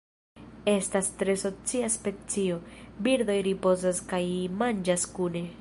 Estas tre socia specio, birdoj ripozas kaj manĝas kune.